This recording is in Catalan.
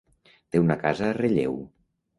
Té una casa a Relleu.